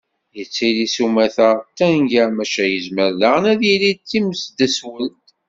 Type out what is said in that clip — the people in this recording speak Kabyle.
Yettili s umata, d tanga, maca yezmer daɣen ad yili d timdeswelt.